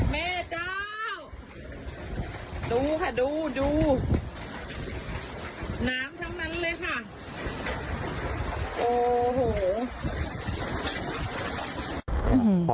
แม่เจ้าดูค่ะดูดูน้ำทั้งนั้นเลยค่ะโอ้โห